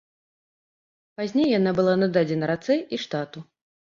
Пазней яна была нададзена рацэ і штату.